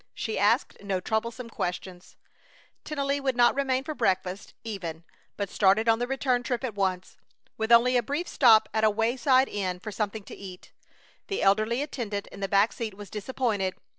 She asked no troublesome questions. Tennelly would not remain for breakfast, even, but started on the return trip at once, with only a brief stop at a wayside inn for something to eat. The elderly attendant in the back seat was disappointed.